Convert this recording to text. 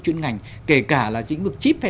chuyên ngành kể cả là lĩnh vực chip hay